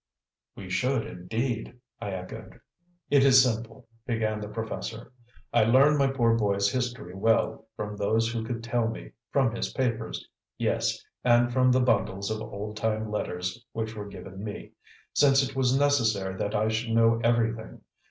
"We should, indeed," I echoed. "It is simple," began the professor. "I learned my poor boy's history well, from those who could tell me, from his papers yes, and from the bundles of old time letters which were given me since it was necessary that I should know everything.